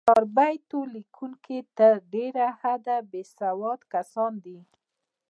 د چاربیتو لیکوونکي تر ډېره حده، بېسواد کسان دي.